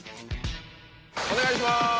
お願いします